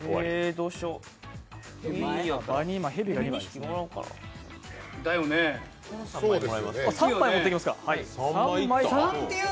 どうしよう。